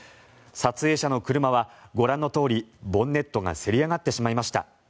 撮影者の車はご覧のとおりボンネットがせり上がってしまいました。